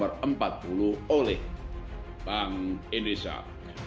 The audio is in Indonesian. penerbitan buku kajian stabilitas keuangan